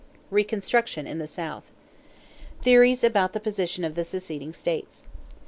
RECONSTRUCTION IN THE SOUTH =Theories about the Position of the Seceded States.